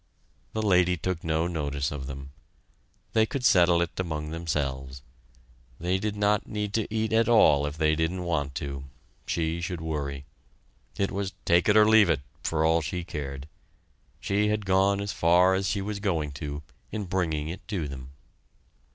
The lady took no notice of them. They could settle it among themselves. They did not need to eat at all if they didn't want to. She should worry. It was take it or leave it for all she cared! She had gone as far as she was going to, in bringing it to them.